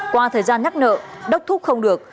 qua thời gian nhắc nợ đốc thúc không được